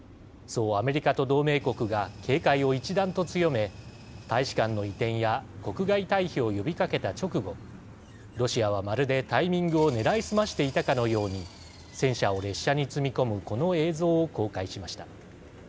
そうアメリカと同盟国が警戒を一段と強め大使館の移転や国外退避を呼びかけた直後ロシアは、まるでタイミングをねらいすましていたかのように戦車を列車に積み込むこの映像を公開しました。